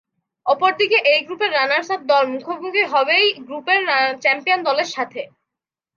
অপরদিকে এই গ্রুপের রানার্স-আপ দল মুখোমুখি হবে ই গ্রুপের চ্যাম্পিয়ন দলের সাথে।